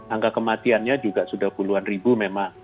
angka kematiannya juga sudah puluhan ribu memang